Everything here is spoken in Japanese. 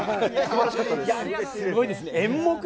すごいですね。